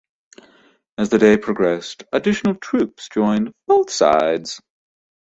As the day progressed, additional troops joined both sides.